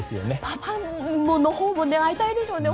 パパのほうも会いたいでしょうね。